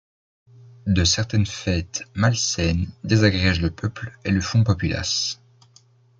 De certaines fêtes malsaines désagrègent le peuple et le font populace.